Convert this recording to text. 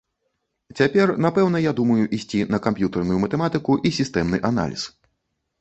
Цяпер, напэўна, я думаю ісці на камп'ютарную матэматыку і сістэмны аналіз.